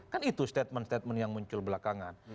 kan itu statement statement yang muncul belakangan